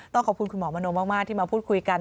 ขอบคุณคุณหมอมโนมากที่มาพูดคุยกัน